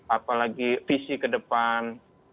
apalagi visi ke depan